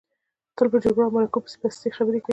تل په جرګو او مرکو کې پستې خبرې کوي.